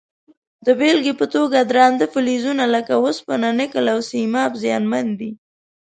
د بیلګې په توګه درانده فلزونه لکه وسپنه، نکل او سیماب زیانمن دي.